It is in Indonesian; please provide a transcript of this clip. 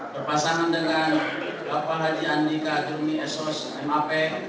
berpasangan dengan bapak haji andika jurni sos mp